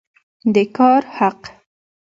د کار حق